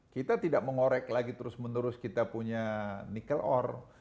kita tidak mengorek lagi terus menerus kita punya nikel ore